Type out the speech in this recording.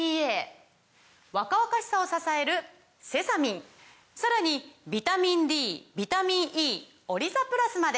若々しさを支えるセサミンさらにビタミンＤビタミンＥオリザプラスまで！